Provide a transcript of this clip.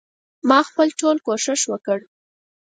ما خپل ټول کوښښ وکړ.